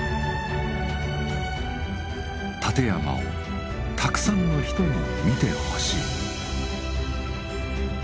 立山をたくさんの人に見てほしい。